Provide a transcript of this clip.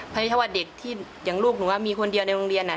เพราะถ้าว่าเด็กที่อย่างลูกหนูมีคนเดียวในโรงเรียน